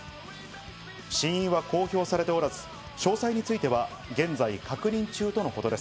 死因は公表されておらず、詳細については現在、確認中とのことです。